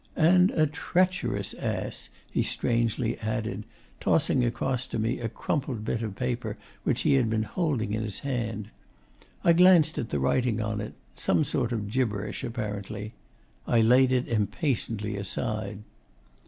'And a treacherous ass,' he strangely added, tossing across to me a crumpled bit of paper which he had been holding in his hand. I glanced at the writing on it some sort of gibberish, apparently. I laid it impatiently aside.